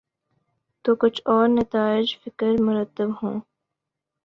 تو کچھ اور نتائج فکر مرتب ہوں۔